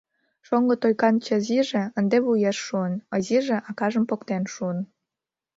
Шоҥго Тойкан Чазиже ынде вуеш шуын, Озиже акажым поктен шуын.